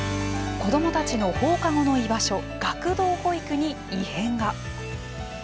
子どもたちの放課後の居場所学童保育に異変が。